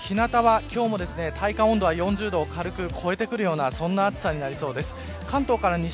日なたは今日も体感温度が４０度を超えてくるような暑さになりそうです。